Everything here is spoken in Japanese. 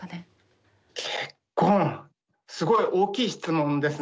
結婚すごい大きい質問ですね